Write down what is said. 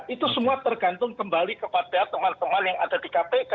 itu semua tergantung kembali kepada teman teman yang ada di kpk